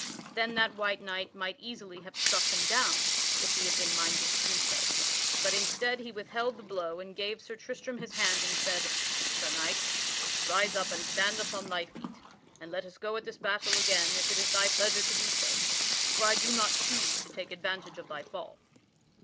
Then that white knight might easily have struck him down if he had been minded to do so. But, instead, he withheld the blow and gave Sir Tristram his hand and said: "Sir Knight, rise up and stand upon thy feet and let us go at this battle again if it is thy pleasure to do so; for I do not choose to take advantage of thy fall."